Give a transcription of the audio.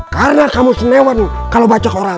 karena kamu senewan kalau baca koran